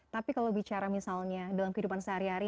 tapi kalau bicara misalnya dalam kehidupan sehari hari